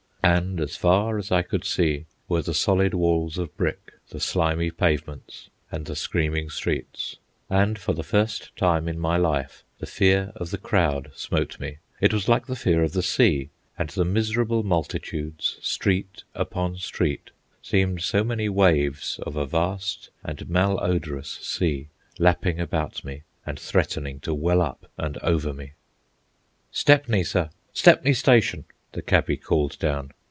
And as far as I could see were the solid walls of brick, the slimy pavements, and the screaming streets; and for the first time in my life the fear of the crowd smote me. It was like the fear of the sea; and the miserable multitudes, street upon street, seemed so many waves of a vast and malodorous sea, lapping about me and threatening to well up and over me. "Stepney, sir; Stepney Station," the cabby called down.